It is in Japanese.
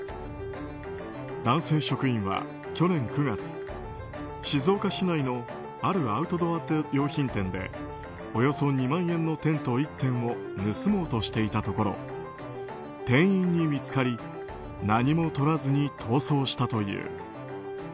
男性職員は去年９月静岡市内のあるアウトドア用品店でおよそ２万円のテント１点を盗もうとしていたところ店員に見つかり何も取らずに逃走したという。